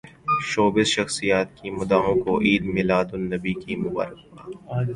showbiz شخصیات کی مداحوں کو عید میلاد النبی کی مبارکباد